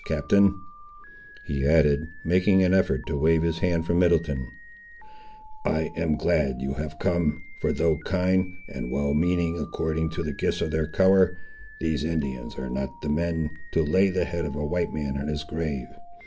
Captain," he added, making an effort to wave his hand for Middleton, "I am glad you have come; for though kind, and well meaning according to the gifts of their colour, these Indians are not the men, to lay the head of a white man in his grave.